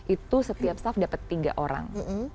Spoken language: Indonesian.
itu setiap staff dapat tiga orang